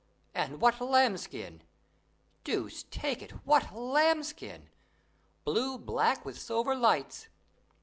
And what lambskin! deuce take it, what lambskin! blue black with silver lights.